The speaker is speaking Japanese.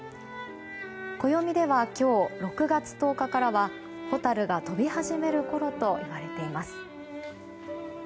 暦では今日６月１０日からはホタルが飛び始めるころといわれています。